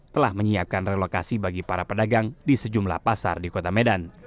telah menyiapkan relokasi bagi para pedagang di sejumlah pasar di kota medan